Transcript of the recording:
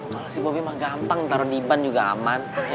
kalo si bobby mah gampang taro di ban juga aman